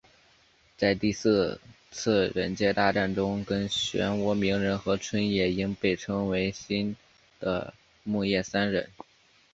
在第四次忍界大战中跟漩涡鸣人和春野樱被称为新的木叶三忍。